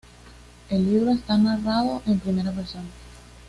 El libro está narrado en primera persona.